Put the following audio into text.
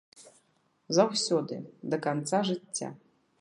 Заўсёды, да канца жыцця!